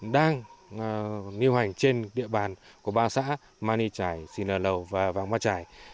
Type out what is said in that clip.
đang niêu hành trên địa bàn của ba xã ma ly trải si lở lầu và vàng ma trải